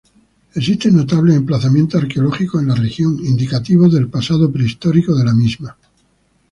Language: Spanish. Existen notables emplazamientos arqueológicos en la región indicativos del pasado prehistórico de la región.